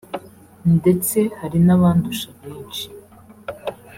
ndetse hari n’abandusha benshi